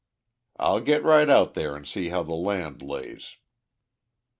"I'll get right out there and see how the land lays."